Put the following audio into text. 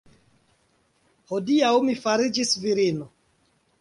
Hodiaŭ mi fariĝis virino!